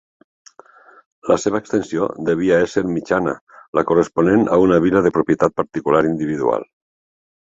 La seva extensió devia ésser mitjana, la corresponent a una vila de propietat particular individual.